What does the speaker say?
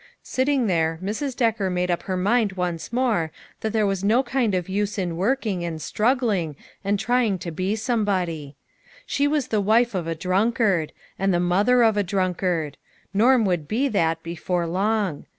Sitting there, Mrs. Decker made up her mind once more, that there was no kind of use in working, and strug gling, and trying to be somebody. She was the wife of a drunkard ; and the mother of a drunk ard ; Norm would be that, before long.